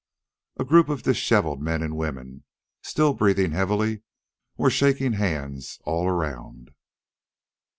A group of disheveled men and women, still breathing heavily, were shaking hands all around.